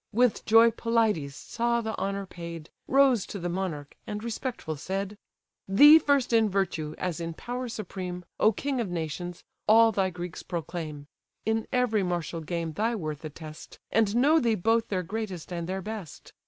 With joy Pelides saw the honour paid, Rose to the monarch, and respectful said: "Thee first in virtue, as in power supreme, O king of nations! all thy Greeks proclaim; In every martial game thy worth attest, And know thee both their greatest and their best.